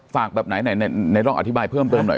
ฝากแบบไหนนายต้องอธิบายเพิ่มหน่อย